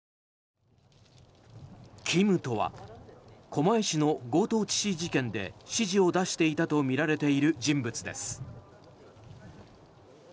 キムとは狛江市の強盗致死事件で指示を出していたとみられる人物です。